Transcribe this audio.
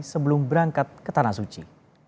sebelum berangkat ke tanah suci